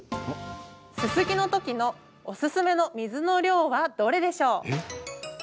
すすぎのときのおすすめの水の量はどれでしょう。